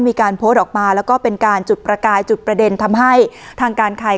มีการโพสต์ออกมาแล้วก็เป็นการจุดประกายจุดประเด็นทำให้ทางการไทย